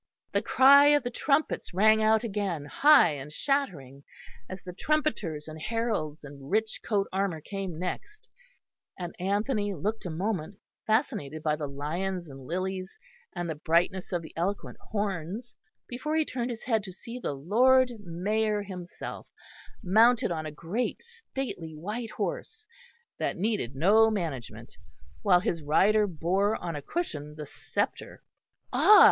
The cry of the trumpets rang out again high and shattering, as the trumpeters and heralds in rich coat armour came next; and Anthony looked a moment, fascinated by the lions and lilies, and the brightness of the eloquent horns, before he turned his head to see the Lord Mayor himself, mounted on a great stately white horse, that needed no management, while his rider bore on a cushion the sceptre. Ah!